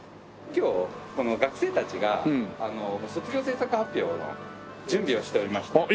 今日学生たちが卒業制作発表の準備をしておりまして。